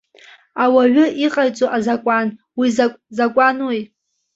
Ауаҩы иҟаиҵо азакәан уи закә закәануи?